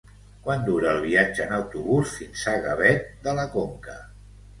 Quant dura el viatge en autobús fins a Gavet de la Conca?